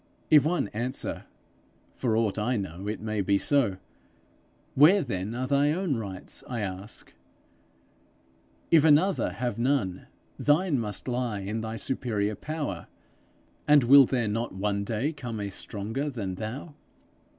If one answer, 'For aught I know, it may be so,' Where then are thy own rights? I ask. If another have none, thine must lie in thy superior power; and will there not one day come a stronger than thou?